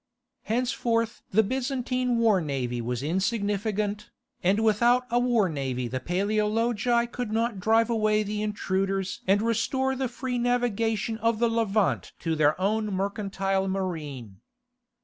Henceforth the Byzantine war navy was insignificant, and without a war navy the Paleologi could not drive away the intruders and restore the free navigation of the Levant to their own mercantile marine.